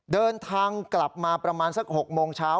เดินทางกลับมาประมาณสัก๖โมงเช้า